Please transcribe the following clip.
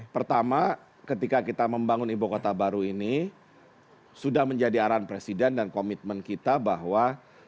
pertama ketika kita membangun ibu kota baru ini sudah menjadi arahan presiden dan komitmen kita bahwa